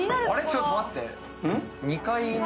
⁉ちょっと待って。